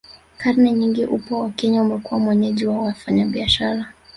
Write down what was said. Karne nyingi upwa wa Kenya umekuwa mwenyeji wa wafanyabiashara